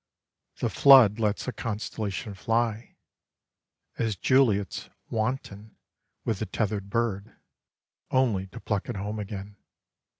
The flood lets a constellation fly, as Juliet's "wanton" with a tethered bird, only to pluck it home again.